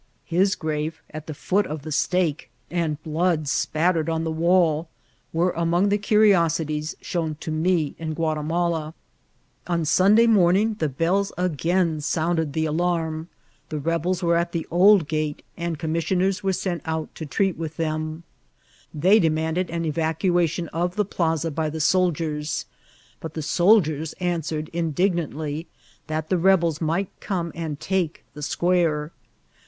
His grave at the foot of the stake, and blood 30 tSO IKCIDBKTS •r TRATBL. qpattered on the wgU, were among the curiosities Aawn to me in Gnatimsku On Sunday morning the bells again sounded the alarm ; the rebels were at the old gate, and commis aioners were sent out to treat with them. They de manded an eracuation of the pkza by the soldiers ; but the soldiers answered, indignantly, that the rebels might come and take the square.